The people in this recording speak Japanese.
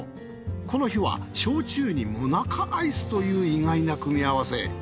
この日は焼酎にもなかアイスという意外な組み合わせ。